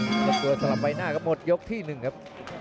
สัตว์สลับไปหน้าก็หมดยกที่หนึ่งครับ